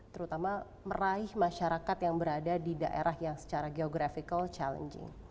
terutama meraih masyarakat yang berada di daerah yang secara geographical challenging